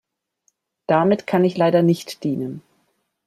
Damit kann ich leider nicht dienen.